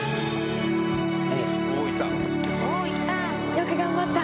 よく頑張った！